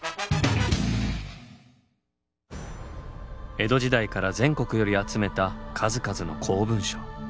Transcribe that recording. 江戸時代から全国より集めた数々の公文書。